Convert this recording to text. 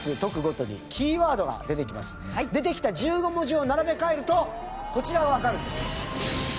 出てきた１５文字を並べ替えるとこちらがわかるんです。